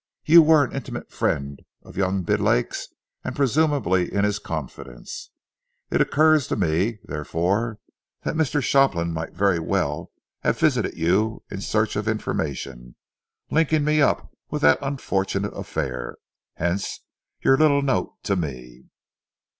You were an intimate friend of young Bidlake's and presumably in his confidence. It occurs to me, therefore, that Mr. Shopland might very well have visited you in search of information, linking me up with that unfortunate affair. Hence your little note to me."